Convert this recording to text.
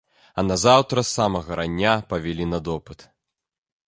А назаўтра з самага рання павялі на допыт.